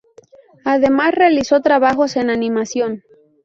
Además, realizó trabajos en animación.